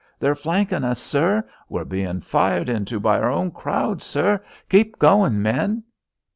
"They're flankin' us, sir." "We're bein' fired into by our own crowd, sir." "Keep goin', men."